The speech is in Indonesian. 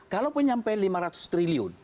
kalau penyampaian lima ratus triliun